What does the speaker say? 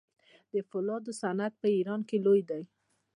د فولادو صنعت په ایران کې لوی دی.